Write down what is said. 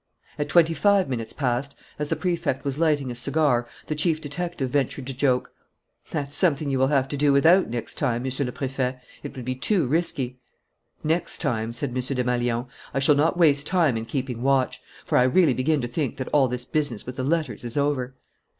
At twenty five minutes past, as the Prefect was lighting a cigar, the chief detective ventured to joke: "That's something you will have to do without, next time, Monsieur le Préfet. It would be too risky." "Next time," said M. Desmalions, "I shall not waste time in keeping watch. For I really begin to think that all this business with the letters is over."